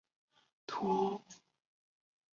士鞅亡命秦国。